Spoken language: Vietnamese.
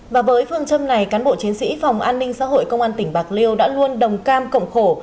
và với phương châm này cán bộ chiến sĩ phòng an ninh xã hội công an tỉnh bạc liêu đã luôn đồng cam cộng khổ